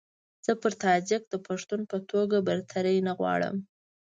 زه پر تاجک د پښتون په توګه برتري نه غواړم.